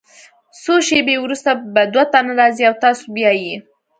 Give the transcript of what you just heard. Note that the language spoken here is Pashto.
څو شیبې وروسته به دوه تنه راځي او تاسو بیایي.